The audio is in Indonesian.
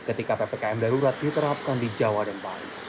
ketika ppkm darurat diterapkan di jawa dan bali